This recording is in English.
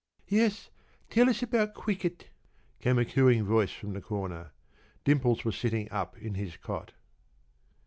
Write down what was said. p> "Yes; tell us about cwicket!" came a cooing voice from the corner. Dimples was sitting up in his cot.